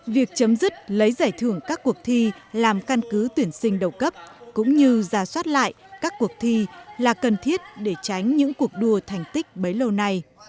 việc chấm dứt lấy giải thưởng các cuộc thi làm căn cứ tuyển sinh đầu cấp cũng như ra soát lại các cuộc thi là cần thiết để tránh những cuộc đua thành tích bấy lâu nay